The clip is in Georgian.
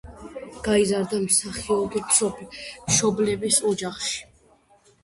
გაიზარდა მსახიობი მშობლების ოჯახში.